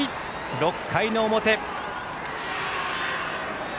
６回の表。